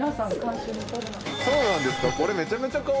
そうなんですか？